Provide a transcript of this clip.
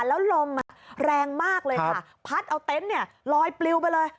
แล้วลมแรงมากเลยค่ะพัดเอาเต็นต์เนี่ยลอยปลิวไปเลย